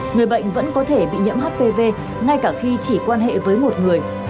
người bệnh vẫn có thể bị nhiễm hpv ngay cả khi chỉ quan hệ với một người